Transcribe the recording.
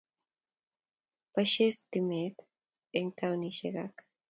Boishei stimet eng taonishek ak